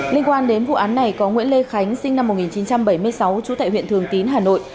liên quan đến vụ án này có nguyễn lê khánh sinh năm một nghìn chín trăm bảy mươi sáu trú tại huyện thường tín hà nội